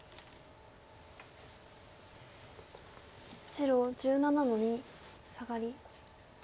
白１７の二サガリ。